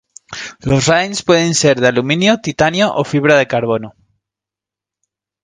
Los Rines pueden ser de aluminio, titanio o fibra de carbono.